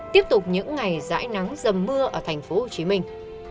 tiếp tục những ngày dãi nắng dầm mưa ở thành phố hồ chí minh